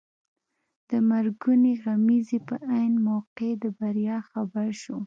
د مرګونې غمیزې په عین موقع د بریا خبر شو.